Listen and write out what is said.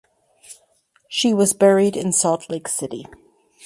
She was buried in Salt Lake City.